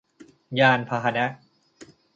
ยานพาหนะ